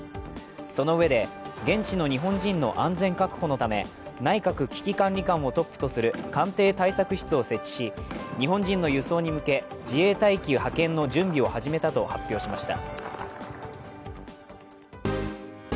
そのうえで、現地の日本人の安全確保のため内閣危機管理監をトップとする官邸対策室を設置し日本人の輸送に向け自衛隊機派遣の準備を始めたと発表しました。